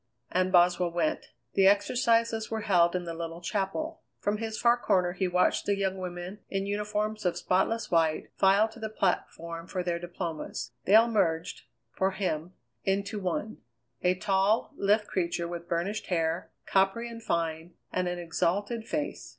And Boswell went. The exercises were held in the little chapel. From his far corner he watched the young women, in uniforms of spotless white, file to the platform for their diplomas. They all merged, for him, into one a tall, lithe creature with burnished hair, coppery and fine, and an exalted face.